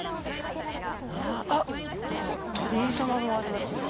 あっ何か鳥居様もありますね。